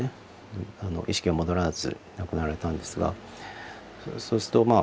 意識が戻らず亡くなられたんですがそうするとまあ